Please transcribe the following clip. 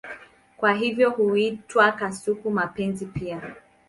Kwa hivyo huitwa kasuku-mapenzi pia.